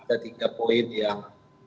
ada tiga poin yang